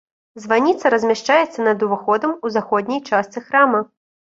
Званіца размяшчаецца над уваходам у заходняй частцы храма.